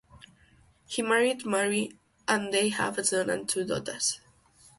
He married Marie and they have a son and two daughters.